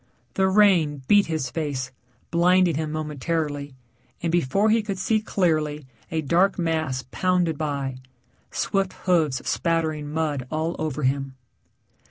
The rain beat his face, blinding him momentarily, and before he could see clearly a dark mass pounded by, swift hoofs spattering mud all over him.